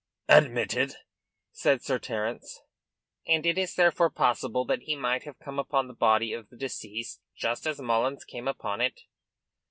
"Admitted," said Sir Terence. "And it is therefore possible that he might have come upon the body of the deceased just as Mullins came upon it?"